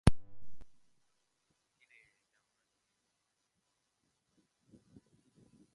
এই লক্ষ্যগুলি গ্রাহক গোষ্ঠী, এনজিও, কর্মী, ইন্টারনেট ব্যবহারকারী এবং অন্যান্যদের একটি বিস্তৃত জোটের পক্ষে আগ্রহী।